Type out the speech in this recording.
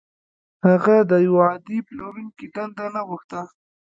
هغه د يوه عادي پلورونکي دنده نه غوښته.